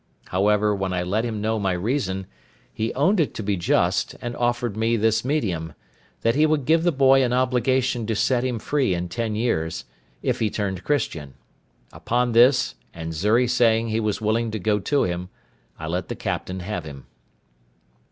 However, when I let him know my reason, he owned it to be just, and offered me this medium, that he would give the boy an obligation to set him free in ten years, if he turned Christian: upon this, and Xury saying he was willing to go to him, I let the captain have him.